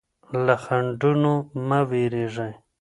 له خنډونو مه وېرېږئ.